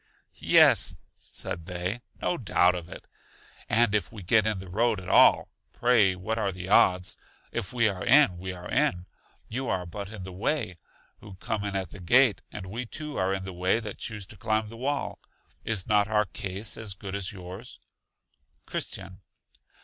Yes, said they, no doubt of it. And if we get in the road at all, pray what are the odds? If we are in, we are in; you are but in the way, who come in at the gate, and we too are in the way that choose to climb the wall. Is not our case as good as yours? Christian.